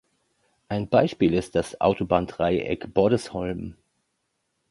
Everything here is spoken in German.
Ein Beispiel ist das Autobahndreieck Bordesholm.